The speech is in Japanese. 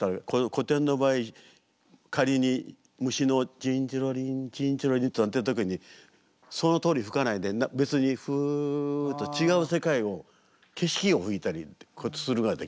古典の場合仮に虫の「チンチロリンチンチロリン」と鳴ってる時にそのとおり吹かないで別にフッと違う世界を景色を吹いたりするができましたね。